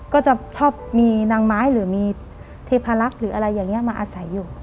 ก็จะชอบมีนางไม้หรือมีเทพลักษณ์หรืออะไรอย่างนี้มาอาศัยอยู่